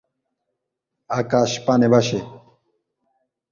আকাশ পানে ভাসে।